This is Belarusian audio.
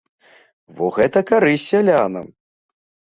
Во гэта карысць сялянам!